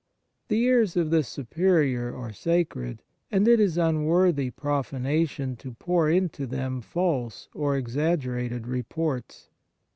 The ears of the Superior are sacred, and it is unworthy profanation to pour into them false or exaggerated reports.